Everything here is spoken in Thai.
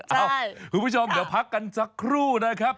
เอ้าคุณผู้ชมเดี๋ยวพักกันสักครู่นะครับ